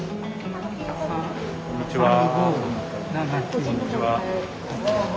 こんにちは。